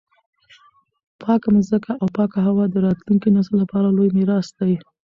پاکه مځکه او پاکه هوا د راتلونکي نسل لپاره لوی میراث دی.